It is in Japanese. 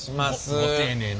ご丁寧な。